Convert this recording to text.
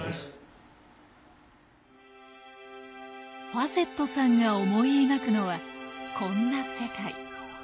ファセットさんが思い描くのはこんな世界。